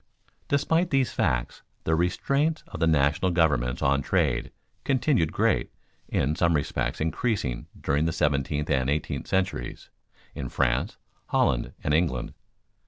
Despite these facts the restraints of the national governments on trade continued great, in some respects increasing during the seventeenth and eighteenth centuries, in France, Holland, and England.